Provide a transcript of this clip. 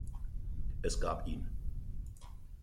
Es gab ihn